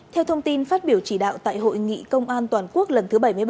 theo thông tin phát biểu chỉ đạo tại hội nghị công an toàn quốc lần thứ bảy mươi ba